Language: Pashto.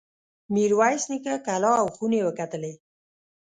میرویس نیکه کلا او خونې وکتلې.